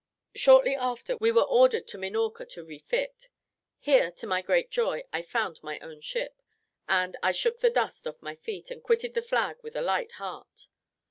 Shortly after, we were ordered to Minorca to refit; here, to my great joy, I found my own ship, and I "shook the dust off my feet," and quitted the flag with a light heart.